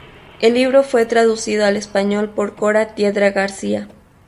El libro fue traducido al español por Cora Tiedra García.